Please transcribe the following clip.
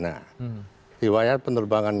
nah riwayat penerbangan